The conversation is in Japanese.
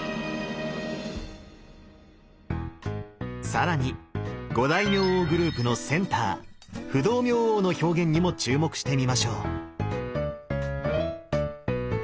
更に五大明王グループのセンター不動明王の表現にも注目してみましょう。